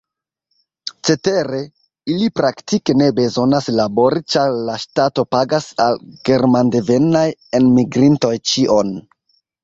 Cetere, ili praktike ne bezonas labori, ĉar la ŝtato pagas al germandevenaj enmigrintoj ĉion.